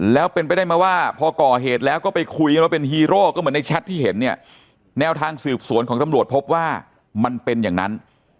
แล้วเป็นไปได้ไหมว่าพอก่อเหตุแล้วก็ไปคุยกันว่าเป็นฮีโร่ก็เหมือนในแชทที่เห็นเนี่ยแนวทางสืบสวนของตำรวจพบว่ามันเป็นอย่างนั้น